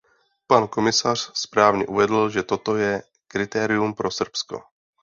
Pan komisař správně uvedl, že toto je kritérium pro Srbsko.